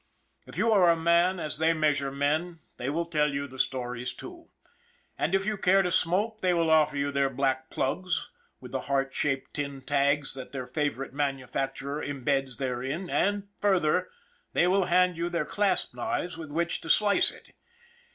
If you are a man as they measure men, they will tell you the stories, too; and, if you care to smoke, they will offer you their black plugs with the heart shaped tin tags that their favorite manufacturer imbeds therein and, further, they will hand you their clasp knives with which to slice it.